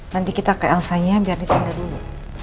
nanti kita ke angsainya biar ditunda dulu